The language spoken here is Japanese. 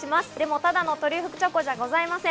ただのトリュフチョコじゃございません。